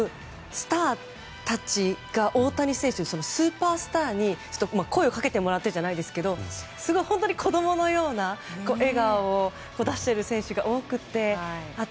スターたちが大谷選手というスーパースターに声をかけてもらってじゃないですけど本当に子供のような笑顔を出している選手が多くてまた